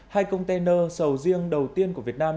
hai container sầu riêng đầu tiên của việt nam